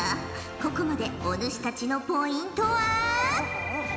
ここまでお主たちのポイントは。